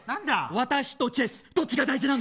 私とチェスどっちが大事なの。